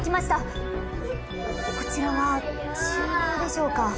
怖いようこちらは厨房でしょうか？